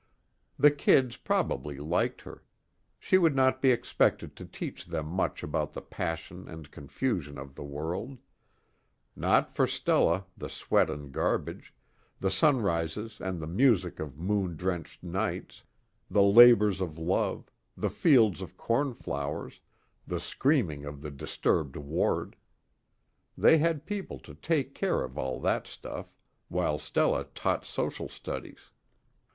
The kids probably liked her; she would not be expected to teach them much about the passion and confusion of the world: not for Stella the sweat and garbage, the sunrises and the music of moon drenched nights, the labors of love, the fields of cornflowers, the screaming in the disturbed ward. They had people to take care of all that stuff while Stella taught social studies.